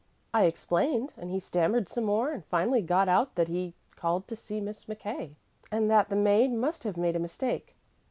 I explained, and he stammered some more, and finally got out that he had called to see Miss McKay, and that the maid must have made a mistake.